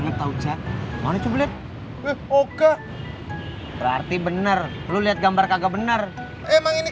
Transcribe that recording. nggak tahu cak mana coba lihat eh oke berarti bener lu lihat gambar kagak bener emang ini